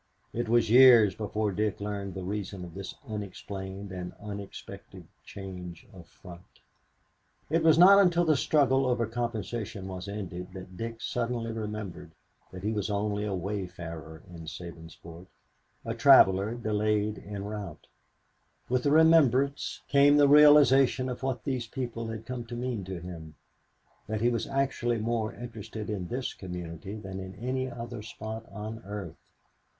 It was years before Dick learned the reason of this unexplained and unexpected change of front. It was not until the struggle over compensation was ended that Dick suddenly remembered that he was only a wayfarer in Sabinsport, a traveler delayed en route. With the remembrance came the realization of what these people had come to mean to him, that he was actually more interested in this community than in any other spot on earth.